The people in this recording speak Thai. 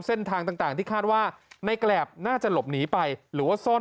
เส้นทางต่างที่คาดว่าในแกรบน่าจะหลบหนีไปหรือว่าซ่อน